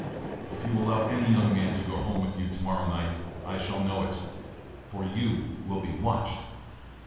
If you allow any young man to go home with you to morrow night, I shall know it, for you will be watched.